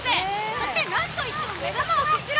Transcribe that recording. そして、なんといっても目玉はこちら。